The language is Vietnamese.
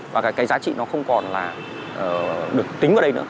và cái giá trị nó không còn là được tính ở đây nữa